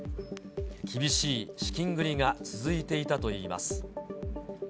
厳しい資金繰りが続いていたといいます。